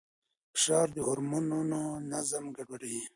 فشار د هورمونونو نظم ګډوډوي.